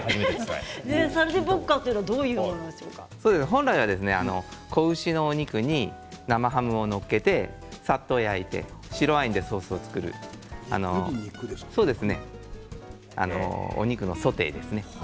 本来は子牛のお肉に生ハムを載せてさっと焼いて白ワインでソースを作るお肉のソテーですね。